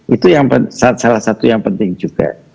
itu yang salah satu yang penting juga